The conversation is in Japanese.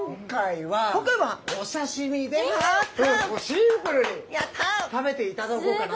今回はお刺身でもうシンプルに食べていただこうかなと。